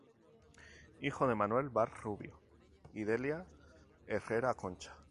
Hijo de Manuel Bart Rubio y Delia Herrera Concha.